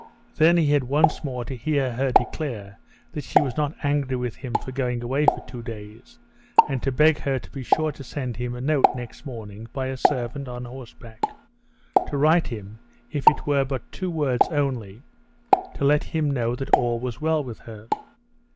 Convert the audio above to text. Then he had once more to hear her declare that she was not angry with him for going away for two days, and to beg her to be sure to send him a note next morning by a servant on horseback, to write him, if it were but two words only, to let him know that all was well with her.